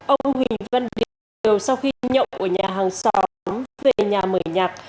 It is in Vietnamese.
ông huỳnh văn điều sau khi nhậu ở nhà hàng xóm về nhà mở nhạc